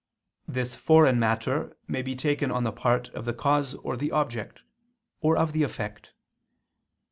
This foreign matter may be taken on the part of the cause or the object, or of the effect.